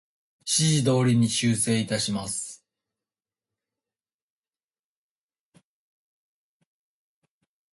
ご指示の通り、修正いたします。